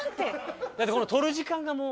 だってこの取る時間がもう。